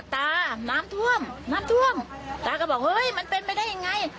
ตาน้ำท่วมน้ำท่วมตาก็บอกเฮ้ยมันเป็นไปได้ยังไง